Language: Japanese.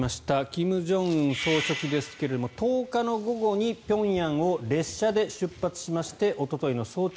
金正恩総書記ですが１０日の午後に平壌を列車で出発しましておとといの早朝